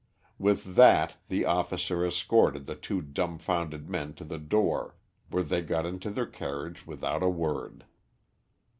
With that the officer escorted the two dumb founded men to the door, where they got into their carriage without a word.